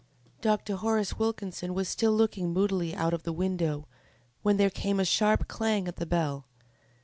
Dr. Horace Wilkinson was still looking moodily out of the window, when there came a sharp clang at the bell.